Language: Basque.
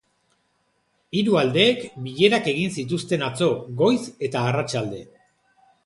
Hiru aldeek bilerak egin zituzten atzo, goiz eta arratsalde.